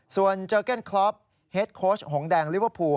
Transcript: ส่วนเจอร์เก้นคล็อปเฮ็ดโค้ชหงแดงลิเวอร์พูล